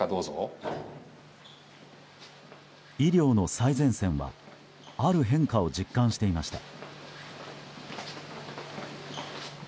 医療の最前線はある変化を実感していました。